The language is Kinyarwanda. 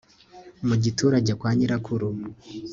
mu giturage kwa nyirakuru